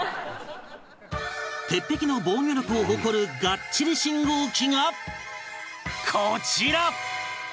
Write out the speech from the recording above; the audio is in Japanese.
鉄壁の防御力を誇るガッチリ信号機がこちら！